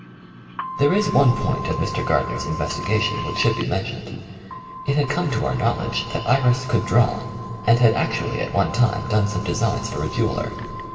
There is one point of Mr. Gardner's in vestigation which should be mentioned. It had come to our knowledge that Iris could draw, and had actually at one time done some designs for a jeweller.